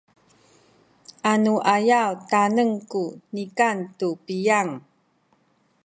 anuayaw tanengen ku nikan tu piyang